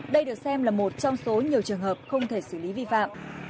đây được xem là một trong số nhiều trường hợp không thể xử lý vi phạm